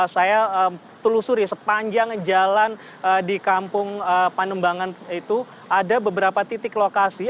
saya telusuri sepanjang jalan di kampung pandembangan itu ada beberapa titik lokasi